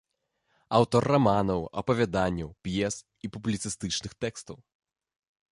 Аўтар раманаў, апавяданняў, п'ес і публіцыстычных тэкстаў.